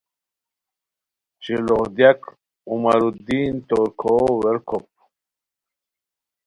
شیلوغ دیاک: عمرالدین، تورکھو ورکوپ